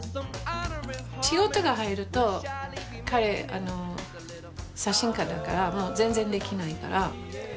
仕事が入ると彼あの写真家だからもう全然できないから。